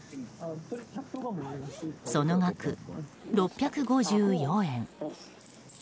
その額、６５４円。